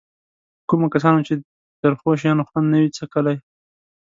کومو کسانو چې د ترخو شیانو خوند نه وي څکلی.